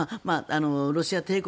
ロシア帝国